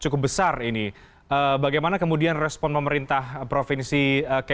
terima kasih pak